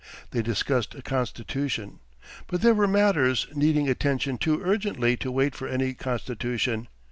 They discussed a constitution. But there were matters needing attention too urgently to wait for any constitution.